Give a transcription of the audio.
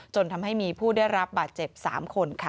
จนทำให้มีผู้ได้รับบาดเจ็บ๓คน